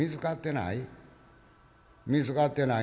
見つかってない？